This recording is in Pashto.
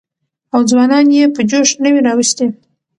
او ځوانان يې په جوش نه وى راوستي.